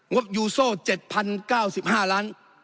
งบยูโซ๗๐๙๕ล้านบาท